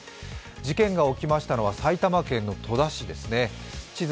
事件が起きましたのは埼玉県の戸田市ですね。